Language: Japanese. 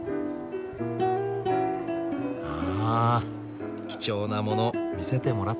あ貴重なもの見せてもらった。